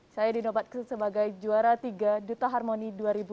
saya dinobatkan sebagai juara tiga duta harmoni dua ribu dua puluh